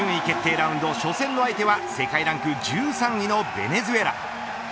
ラウンド初戦の相手は世界ランク１３位のベネズエラ。